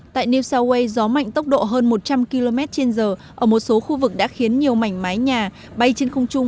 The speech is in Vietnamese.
tại new south wales gió mạnh tốc độ hơn một trăm linh km trên giờ ở một số khu vực đã khiến nhiều mảnh mái nhà bay trên không trung